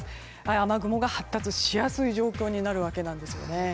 雨雲が発達しやすい状況になるわけですね。